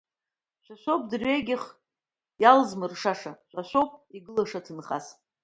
Шәа шәоуп дырҩегьых иалзмыршаша, шәа шәоуп игылаша ҭынхас!